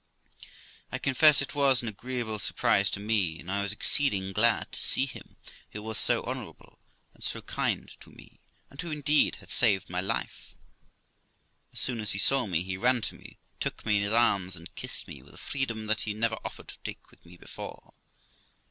I confess it was an agreeable surprise to me, and I was exceeding glad to see him, who was so honourable and so kind to me, and who indeed had saved my life. As soon as he saw me, he ran to me, took me in his arms, and kissed me with a freedom that he never offered to take with me before.